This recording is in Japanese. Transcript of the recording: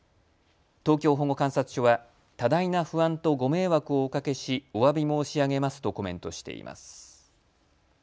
東京保護観察所は多大な不安とご迷惑をおかけし、おわび申し上げますとコメントしています。